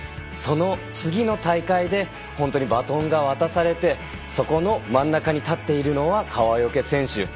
その次の大会で本当にバトンが渡されてそこの真ん中に立っているのは川除選手